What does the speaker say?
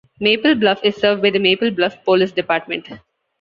Maple Bluff is served by the Maple Bluff Police Department.